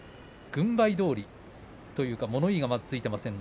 軍配どおり、というか物言いがついていません。